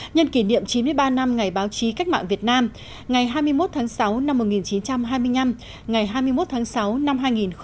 nhân kỷ niệm chín mươi ba năm ngày báo chí cách mạng việt nam ngày hai mươi một tháng sáu năm một nghìn chín trăm hai mươi năm ngày hai mươi một tháng sáu năm hai nghìn một mươi chín